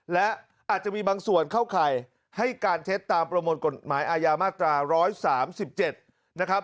และอาจจะมีบางส่วนเข้าข่ายให้การเท็จตามประมวลกฎหมายอาญามาตรา๑๓๗นะครับ